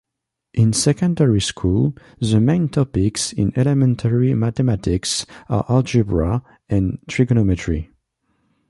In secondary school, the main topics in elementary mathematics are algebra and trigonometry.